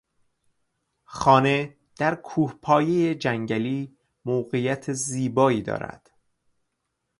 خانه در کوهپایهی جنگلی موقعیت زیبایی دارد.